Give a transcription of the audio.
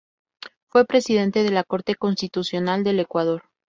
Fue Presidente de la Corte Constitucional del Ecuador.